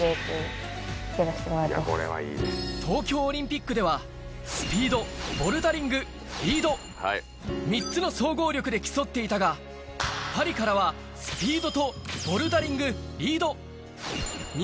東京オリンピックでは３つの総合力で競っていたがパリからはスピードとボルダリングリード２